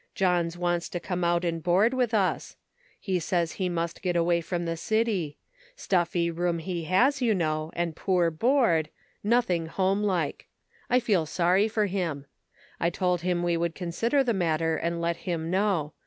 Johns wants to come out and board with us. He says he must get away from the city. Stuffy room he has, you know, and poor board ; nothing home like. I feel sorry for him. I told him we would consider the matter and let him know.